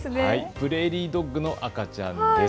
プレーリードッグの赤ちゃんです。